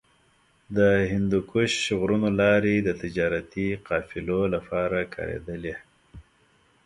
د هندوکش غرونو لارې د تجارتي قافلو لپاره کارېدلې دي.